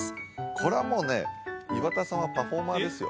これはもうね岩田さんはパフォーマーですよ